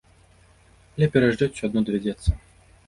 Але пераязджаць усё адно давядзецца.